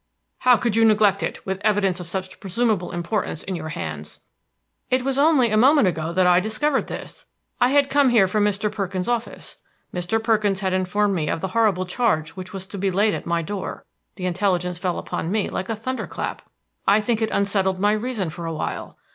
"How could you neglect it, with evidence of such presumable importance in your hands?" "It was only a moment ago that I discovered this. I had come here from Mr. Perkins's office. Mr. Perkins had informed me of the horrible charge which was to be laid at my door. The intelligence fell upon me like a thunder clap. I think it unsettled my reason for a while.